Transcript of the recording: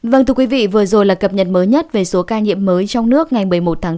vâng thưa quý vị vừa rồi là cập nhật mới nhất về số ca nhiễm mới trong nước ngày một mươi một tháng bốn